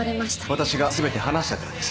私が全て話したからです